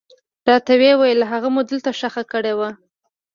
راته ويې ويل هغه مو دلته ښخ کړى و.